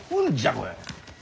これ。